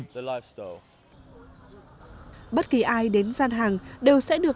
bất kỳ ai đến gian hàng đều sẽ được nhận được những sản phẩm của việt nam